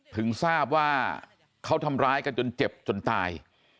ถึงทราบว่าเขาทำร้ายกันจนเจ็บจนตาย